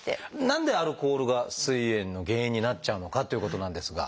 何でアルコールがすい炎の原因になっちゃうのかっていうことなんですが。